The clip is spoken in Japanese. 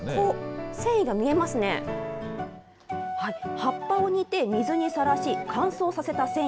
葉っぱを煮て、水にさらし、乾燥させた繊維。